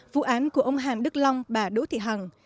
vụ án của ông hàn đức long và đỗ thị hằng